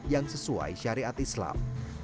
yang sesuai syariat islam